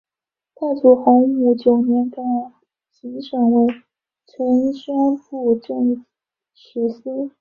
太祖洪武九年改行省为承宣布政使司。